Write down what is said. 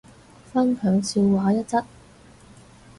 分享笑話一則